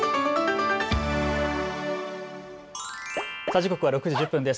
時刻は６時１０分です。